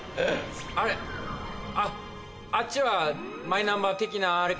あれあっあっちはマイナンバー的なあれか。